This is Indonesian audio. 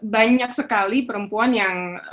banyak sekali perempuan yang